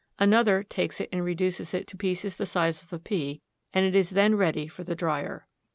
Another takes it and reduces it to pieces the size of a pea, and it is then ready for the drier.